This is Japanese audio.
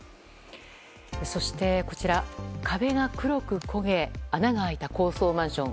そして、壁が黒く焦げ穴が開いた高層マンション。